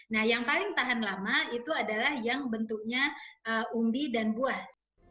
nah yang paling tahan lama itu adalah yang bentuknya umbi dan buah